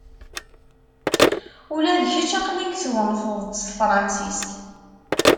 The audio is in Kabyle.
Ula d kečč aql-ik twennteḍ-d s tefransist.